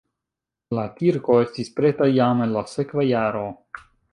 La kirko estis preta jam en la sekva jaro.